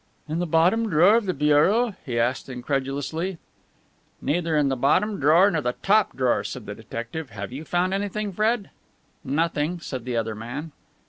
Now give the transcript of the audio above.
"In the bottom drawer of the bureau?" he asked incredulously. "Neither in the bottom drawer nor the top drawer," said the detective. "Have you found anything, Fred?" "Nothing," said the other man.